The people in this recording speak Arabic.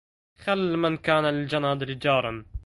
خل من كان للجنادل جارا